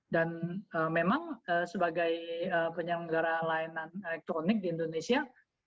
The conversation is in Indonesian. dan memang sebagai penyelenggara layanan elektronik di indonesia